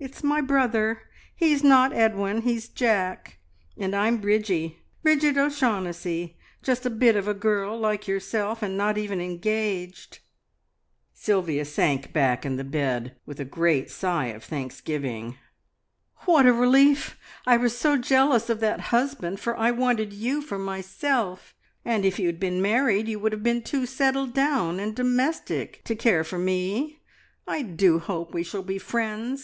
It's my brother. He is not Edwin, he is Jack, and I'm Bridgie Bridget O'Shaughnessy, just a bit of a girl like yourself, and not even engaged." Sylvia sank back in the bed with a great sigh of thanksgiving. "What a relief! I was so jealous of that husband, for I wanted you for myself, and if you had been married you would have been too settled down and domestic to care for me. I do hope we shall be friends.